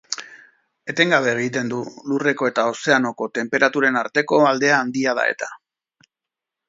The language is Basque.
Etengabe egiten du, lurreko eta ozeanoko tenperaturen arteko aldea handia da eta.